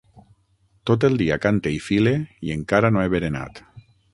Tot el dia cante i file i encara no he berenat.